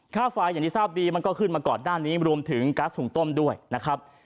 ค่าไฟอย่างที่ทราบดีมันก็ขึ้นมาก่อนหน้านี้รวมถึงก๊าซหุ่งต้มด้วยนะครับ